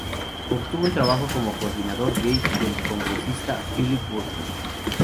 Obtuvo un trabajo como coordinador gay del Congresista Phillip Burton.